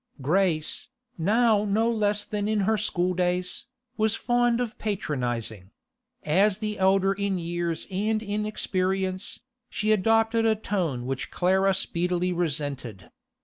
Grace, now no less than in her schooldays, was fond of patronising: as the elder in years and in experience, she adopted a tone which Clara speedily resented.